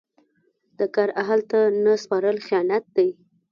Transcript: د کار اهل ته نه سپارل خیانت دی.